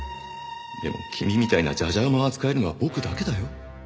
でも君みたいなじゃじゃ馬を扱えるのは僕だけだよ。